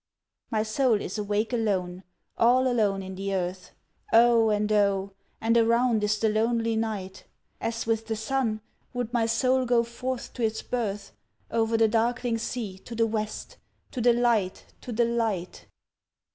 My soul is awake alone, all alone in the earth, O and O! and around is the lonely night. As with the sun, would my soul go forth to its birth O'er the darkling sea, to the west to the light, to the light!